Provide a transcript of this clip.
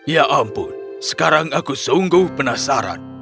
ya ampun sekarang aku sungguh penasaran